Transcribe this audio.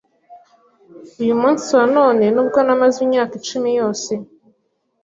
Uyu munsi wa none nubwo namaze imyaka icumi yose